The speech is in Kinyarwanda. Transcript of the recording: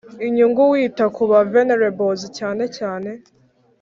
Inyungu wita ku ba vulnerables cyane cyane